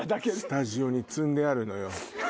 スタジオに積んであるのよ。